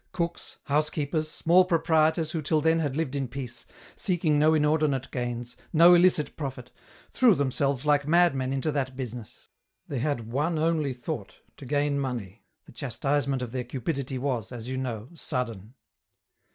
Cooks, housekeepers, small proprietors who till then had lived in peace, seeking no inordinate gains, no illicit profit, threw themselves like madmen into that business. They had one only thought, to gain money ; the chastisement of their cupidity was, as you know, sudden."